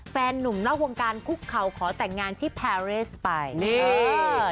แฟนนุ่มหน้าวงการคุกเขาขอแต่งงานที่แพรสไป